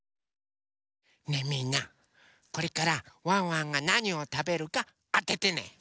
ねえみんなこれからワンワンがなにをたべるかあててね！